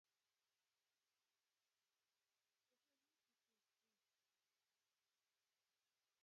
It'll make you feel good all over.